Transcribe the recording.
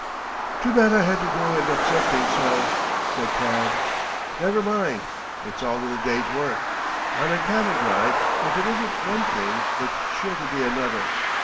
"Too bad I had to go and upset things so," said Tad. "Never mind. It's all in a day's work. On a cattle drive if it isn't one thing it's sure to be another.